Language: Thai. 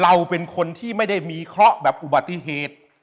เราเป็นคนที่ไม่ได้มีเคราะห์แบบอุบัติเหตุ